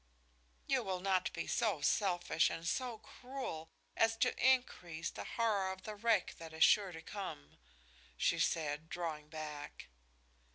"You will not be so selfish and so cruel as to increase the horror of the wreck that is sure to come," she said, drawing back.